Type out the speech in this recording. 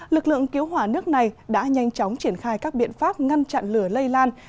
lực lượng cứu hỏa nước này đã nhanh chóng triển khai các biện pháp ngăn chặn lửa lây lan